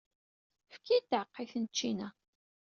Efk-iyi-d taɛeqqayt n ččina.